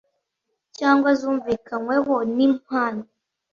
cyangwa zumvikanyweho n impande